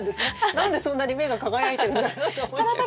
何でそんなに目が輝いてるんだろうと思っちゃった。